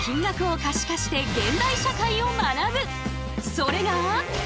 それが。